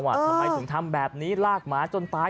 ทำไมถึงทำแบบนี้ลากหมาจนตาย